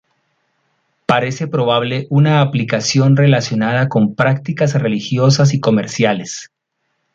Parece probable una aplicación relacionada con prácticas religiosas y comerciales.